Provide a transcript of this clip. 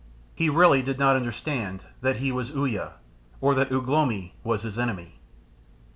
He really did not understand that he was Uya or that Ugh lomi was his enemy.